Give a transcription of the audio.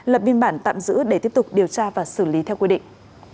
lập biên bản tạm giữ để tiếp tục điều tra và xử lý theo quy định